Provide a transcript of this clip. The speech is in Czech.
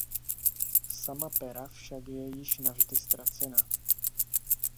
Sama Pera však je již navždy ztracena.